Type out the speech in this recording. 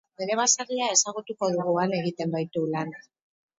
Bere baserria ezagutuko dugu, han egiten baitu lan.